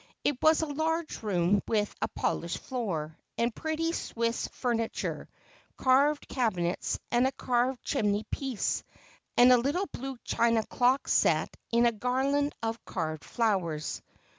It was a large room with a polished floor, and pretty Swiss fur niture, carved cabinets, and a carved chimney piece, and a little blue china clock set in a garland of carved flowers.